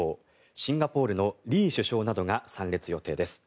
シンガポールのリー首相などが参列予定です。